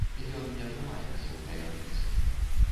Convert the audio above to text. Ён не трымаецца ў таямніцы.